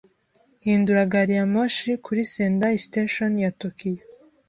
Hindura gari ya moshi kuri Sendai Station ya Tokiyo.